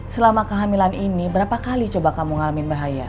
selama kehamilan ini berapa kali coba kamu ngalamin bahaya